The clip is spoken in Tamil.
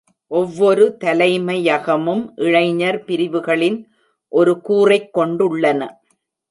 ஒவ்வொரு தலைமையகமும், இளைஞர் பிரிவுகளின் ஒரு கூறைக் கொண்டுள்ளன.